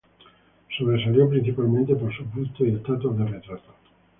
Sobresalió principalmente por sus bustos y estatuas de retrato.